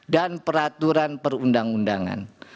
dan peraturan perundang undangan